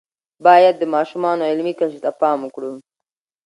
باید د ماشومانو علمی کچې ته پام وکړو.